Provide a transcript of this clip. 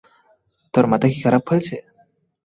তোর মাথা কি খারাপ হয়ে গেছে?